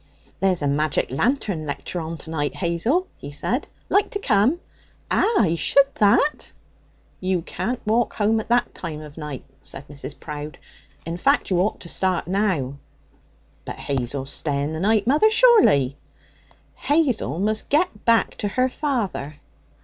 'There's a magic lantern lecture on tonight, Hazel,' he said. 'Like to come?' 'Ah! I should that.' 'You can't walk home at that time of night,' said Mrs. Prowde. 'In fact, you ought to start now.' 'But Hazel's staying the night, mother, surely?' 'Hazel must get back to her father.'